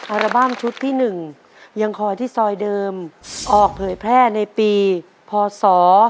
อัลบั้มชุดที่๑ยังคอยที่ซอยเดิมออกเผยแพร่ในปีพศ